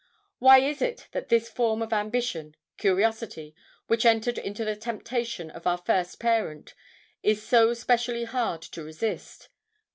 Why is it that this form of ambition curiosity which entered into the temptation of our first parent, is so specially hard to resist?